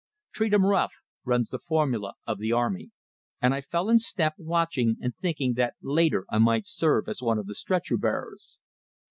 "Treat 'em rough!" runs the formula of the army; and I fell in step, watching, and thinking that later I might serve as one of the stretcher bearers.